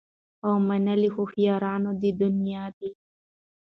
او منلي هوښیارانو د دنیا دي